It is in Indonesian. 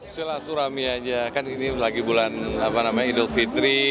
silaturahmi aja kan ini lagi bulan idul fitri